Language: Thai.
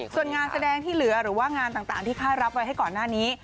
ส่วนงานแสดงที่เหลือหรือว่างานต่างที่ค่ายรับไว้ให้ก่อนหน้านี้